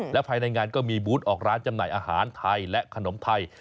และภายในงานก็มีบูธออกร้านจำหน่ายอาหารไทยและขนมไทย